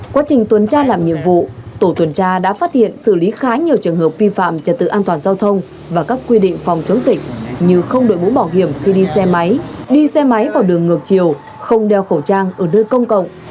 quá trình tuần tra làm nhiệm vụ tổ tuần tra đã phát hiện xử lý khá nhiều trường hợp vi phạm trật tự an toàn giao thông và các quy định phòng chống dịch như không đội mũ bảo hiểm khi đi xe máy đi xe máy vào đường ngược chiều không đeo khẩu trang ở nơi công cộng